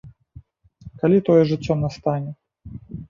Калі тое жыццё настане?